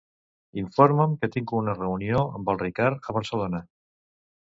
Informa'm que tinc una reunió amb el Ricard a Barcelona.